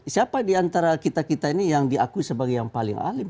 siapa diantara kita kita ini yang diakui sebagai yang paling alim